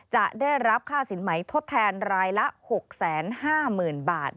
จะได้รับค่าสินไหมทดแทนรายละ๖๕๐๐๐๐บาท